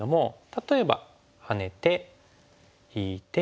例えばハネて引いて。